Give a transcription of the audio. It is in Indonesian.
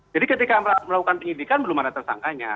jadi ketika melakukan penyidikan belum ada tersangkanya